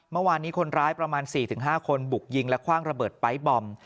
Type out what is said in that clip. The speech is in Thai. เมื่อวานนี้คนร้ายประมาณ๔๕คนบุกยิงและคว่างระเบิดไป๊บอม